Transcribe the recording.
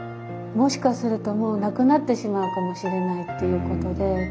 もしかするともう亡くなってしまうかもしれないということで。